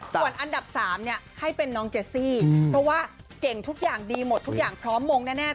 ส่วนอันดับ๓ให้เป็นน้องเจซี่เพราะว่าเก่งทุกอย่างดีหมดทุกอย่างพร้อมมงแน่